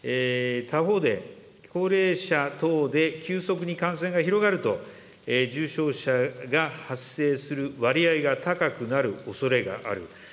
他方で、高齢者等で急速に感染が広がると、重症者が発生する割合が高くなるおそれがある。